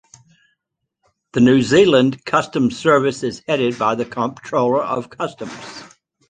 The New Zealand Customs Service is headed by the Comptroller of Customs.